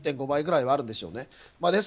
１．５倍ぐらいはあるんでしょうね。